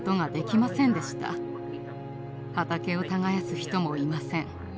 畑を耕す人もいません。